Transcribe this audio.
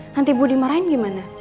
nanti ibu dimarahin gimana